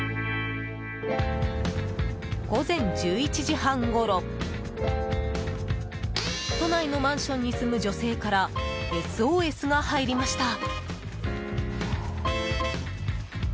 午前１１時半ごろ都内のマンションに住む女性からＳＯＳが入りました。